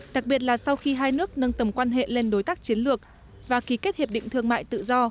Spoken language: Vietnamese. đặc biệt là sau khi hai nước nâng tầm quan hệ lên đối tác chiến lược và ký kết hiệp định thương mại tự do